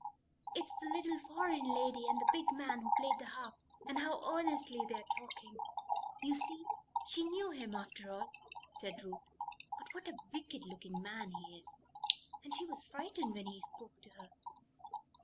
It's the little foreign lady and the big man who played the harp and how earnestly they are talking." "You see, she knew him after all," said Ruth. "But what a wicked looking man he is! And she was frightened when he spoke to her."